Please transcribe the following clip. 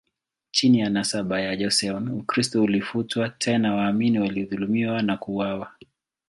Chini ya nasaba ya Joseon, Ukristo ulifutwa, tena waamini walidhulumiwa na kuuawa.